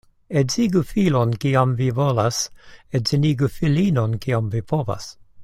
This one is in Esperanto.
Edzigu filon, kiam vi volas — edzinigu filinon, kiam vi povas.